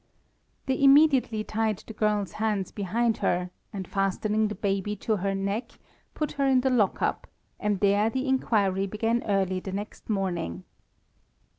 They immediately tied the girl's hands behind her, and fastening the baby to her neck, put her in the lock up, and there the inquiry began early the next morning.